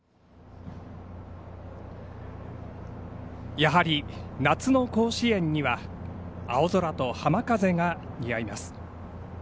やはり夏の甲子園には青空と浜風が似合います。